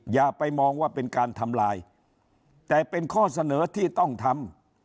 อย่าไปมองว่าเป็นการทำลายแต่เป็นข้อเสนอที่ต้องทำ